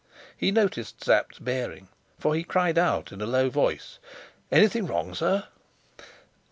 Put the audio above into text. He noticed Sapt's bearing, for he cried out in a low voice, "Anything wrong, sir?"